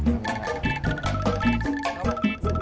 eh atas duitnya regio